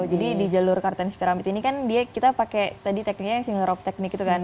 jadi di jalur kartan spiramid ini kan dia kita pakai tadi tekniknya yang single rope teknik itu kan